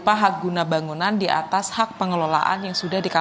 maksudnya negara negara kembali e zurich yang berton yang kemarinrerack